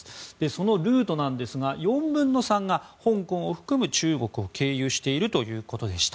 そのルートですが４分の３が香港を含む中国を経由しているということでした。